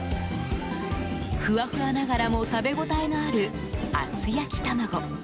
フワフワながらも食べ応えのある厚焼玉子。